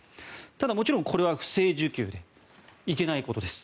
ただ、もちろんこれは不正受給でいけないことです。